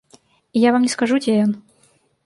І я вам не скажу, дзе ён.